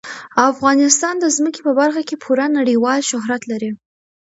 افغانستان د ځمکه په برخه کې پوره نړیوال شهرت لري.